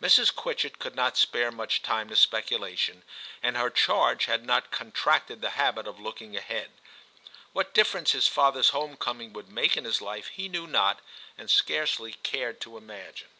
Mrs. Quitchett could not spare much time to speculation, and her charge had not con tracted the habit of looking ahead ; what difference his father's home coming would make in his life he knew not, and scarcely cared to imagine.